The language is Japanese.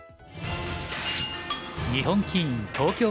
日本棋院東京